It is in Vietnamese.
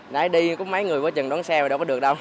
nãy đi có mấy người quá chừng đón xe mà đâu có được đâu